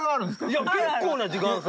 いや結構な時間差。